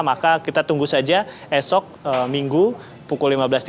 maka kita tunggu saja esok minggu pukul lima belas tiga puluh